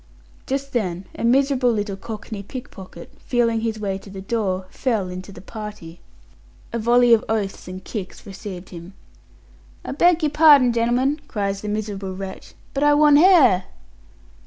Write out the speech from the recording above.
Just then a miserable little cockney pickpocket, feeling his way to the door, fell into the party. A volley of oaths and kicks received him. "I beg your pardon, gen'l'men," cries the miserable wretch, "but I want h'air."